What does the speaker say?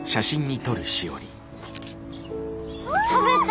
食べた！